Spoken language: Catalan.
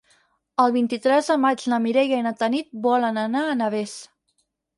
El vint-i-tres de maig na Mireia i na Tanit volen anar a Navès.